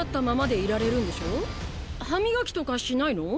歯磨きとかしないの？